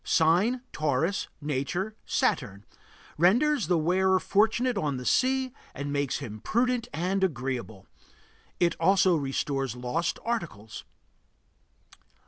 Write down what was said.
Sign: Taurus. Nature: Saturn. Renders the wearer fortunate on the sea and makes him prudent and agreeable. It also restores lost articles.